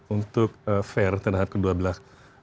untuk fair terhadap kedua belah